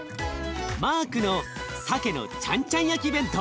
マークのさけのちゃんちゃん焼き弁当。